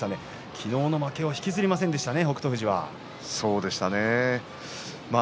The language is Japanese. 昨日の負けを引きずりませんでしたね。